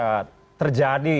apa yang terjadi